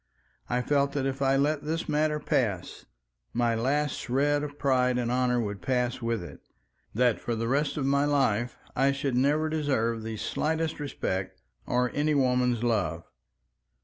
I felt that if I let this matter pass, my last shred of pride and honor would pass with it, that for the rest of my life I should never deserve the slightest respect or any woman's love.